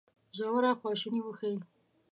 ژوره خواشیني وښيي.